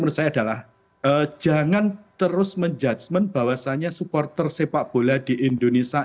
menurut saya adalah jangan terus menjudgement bahwasannya supporter sepak bola di indonesia